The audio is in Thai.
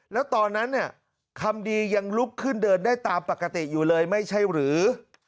แล้วตอนนั้นเนี่ยคำดียังลุกขึ้นเดินได้ตามปกติอยู่เลยไม่ใช่หรือ